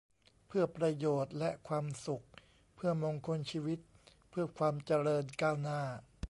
เพื่อประโยชน์และความสุข เพื่อมงคลชีวิต เพื่อความเจริญก้าวหน้า